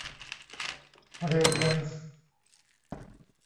เรเดียนซ์